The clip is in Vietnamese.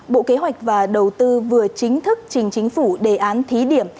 bộ kế hoạch và đầu tư vừa chính thức trình chính phủ đề án thí điểm